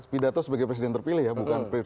pidato sebagai presiden terpilih ya bukan